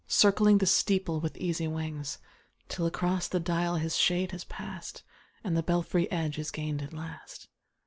Circling the steeple with easy wings. Till across the dial his shade has pass'd, And the belfry edge is gain'd at last.